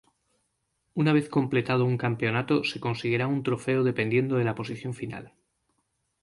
Una vez completado un campeonato se conseguirá un trofeo dependiendo de la posición final.